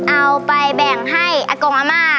เอาไปแบ่งให้อัตโกงอัมมา